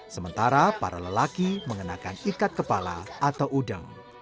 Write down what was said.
sementara para lelaki mengenakan ikat kepala atau udeng